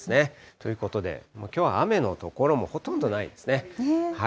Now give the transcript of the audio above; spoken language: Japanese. ということで、きょうは雨の所もほとんどないですね。